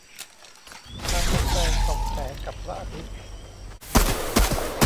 ชามทองแดงส่องแสงกับพระอาทิตย์